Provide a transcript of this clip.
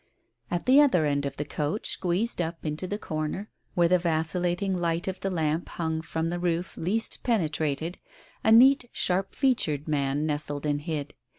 At the other end of the coach, squeezed up into the corner where the vacillating light of the lamp hung from the roof least penetrated, a neat, sharp featured man nestled and hid.